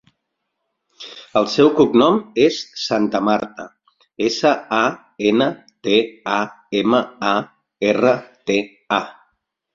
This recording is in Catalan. El seu cognom és Santamarta: essa, a, ena, te, a, ema, a, erra, te, a.